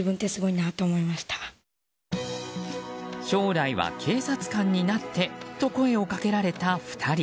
将来は警察官になって！と声をかけられた２人。